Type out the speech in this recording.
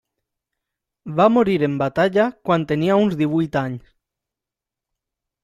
Va morir en batalla quan tenia uns divuit anys.